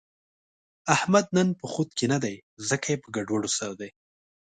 احمد نن په خود کې نه دی، ځکه یې په ګډوډو سر دی.